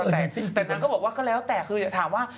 แต่นางก็บอกว่าก็แล้วแต่คืออย่าถามว่า